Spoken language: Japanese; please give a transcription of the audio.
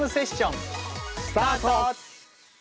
スタート！